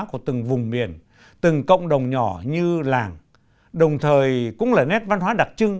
của từng vùng miền từng cộng đồng nhỏ như làng đồng thời cũng là nét văn hóa đặc trưng